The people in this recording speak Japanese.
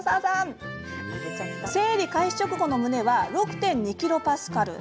生理開始直後の胸は６．２キロパスカル。